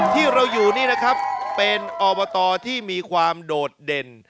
ที่เราอยู่นี่นะครับเป็นอบตที่มีความโดดเด่น